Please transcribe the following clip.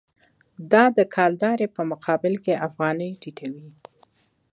دا د کلدارې په مقابل کې افغانۍ ټیټوي.